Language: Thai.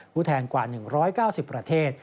ผู้แทนกว่า๑๙๐ประเทศ